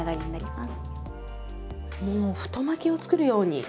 もう太巻きを作るように。